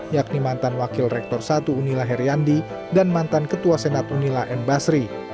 yakni mantan wakil rektor satu unila heriandi dan mantan ketua senat unila m basri